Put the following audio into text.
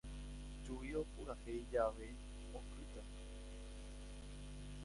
Ju'i opurahéi jave, okýta